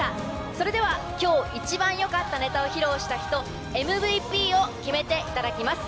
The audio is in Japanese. それでは今日一番よかったネタを披露した人ＭＶＰを決めていただきます。